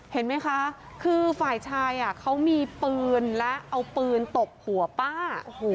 เห็นไหมคะคือฝ่ายชายเขามีปืนและเอาปืนตบหัวป้า